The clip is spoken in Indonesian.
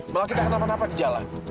malah kita akan apa apa di jalan